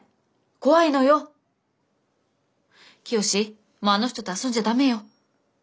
もうあの人と遊んじゃ駄目よ。